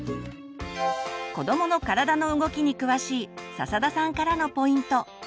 子どもの体の動きに詳しい笹田さんからのポイント。